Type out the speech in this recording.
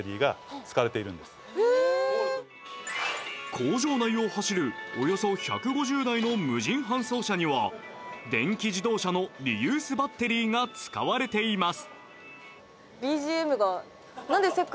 工場内を走る、およそ１５０台の無人搬送車には電気自動車のリユースバッテリーが使われています。